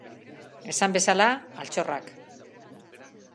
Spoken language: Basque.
Esan bezala, altxorrak.